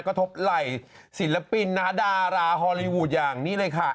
กระทบไหล่ศิลปินนะคะดาราฮอลลีวูดอย่างนี้เลยค่ะ